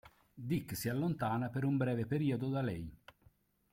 Dick si allontana per un breve periodo da lei.